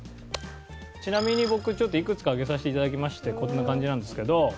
ちなみに僕ちょっといくつか挙げさせていただきましてこんな感じなんですけど。